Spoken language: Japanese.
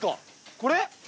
これ？